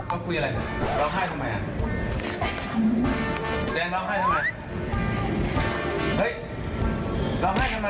ไอพ่อน